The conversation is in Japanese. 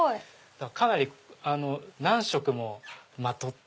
かなり何色もまとって。